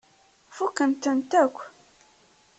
Fukkent-tent akk.